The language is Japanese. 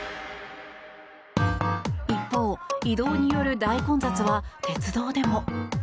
一方、移動による大混雑は鉄道でも。